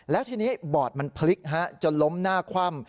แล้วทีนี้บอดมันพลิกจนล้มหน้าคว่ำ